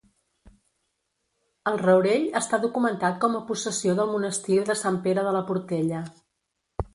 El Raurell està documentat com a possessió del monestir de Sant Pere de la Portella.